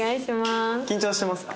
緊張してますか？